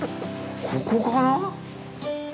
ここかな？